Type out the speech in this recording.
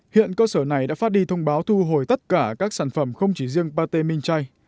hiện cơ sở này đã phát đi thông báo thu hồi tất cả các sản phẩm không chỉ riêng pate minh chay